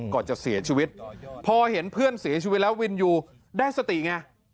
ก่อนจะเสียชีวิตพอเห็นเพื่อนเสียชีวิตแล้ววินอยู่ได้สติไง